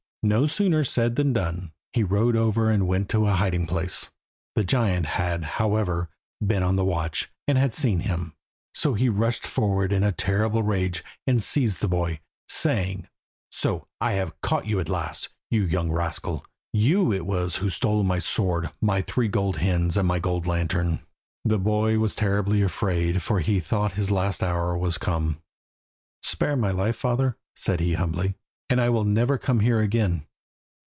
No sooner said than done. He rowed over and went to a hiding place. The giant had, however, been on the watch, and had seen him. So he rushed forward in a terrible rage and seized the boy, saying "So I have caught you at last, you young rascal. You it was who stole my sword, my three gold hens, and my gold lantern." The boy was terribly afraid, for he thought his last hour was come. "Spare my life, father," said he humbly, "and I will never come here again."